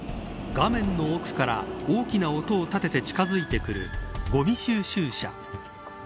画面の奥から大きな音を立てて近づいてくるごみ収集車。